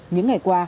những ngày qua